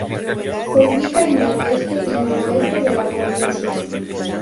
Se ubica en el oeste y noroeste de la provincia.